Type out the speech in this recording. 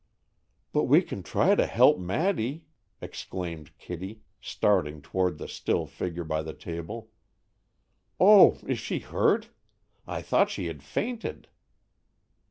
"But we can try to help Maddy," exclaimed Kitty, starting toward the still figure by the table. "Oh, is she hurt? I thought she had fainted!"